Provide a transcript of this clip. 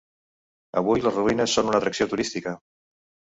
Avui les ruïnes són una atracció turística.